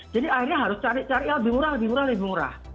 jadi akhirnya harus cari cari lebih murah lebih murah lebih murah